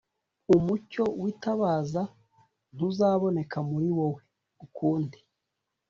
Umucyo w’itabaza ntuzaboneka muri wowe ukundi,